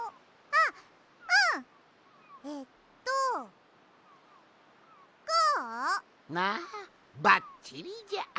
ああばっちりじゃ。